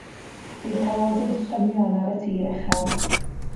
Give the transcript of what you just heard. Bydd cawodydd trymion ar y tir uchel.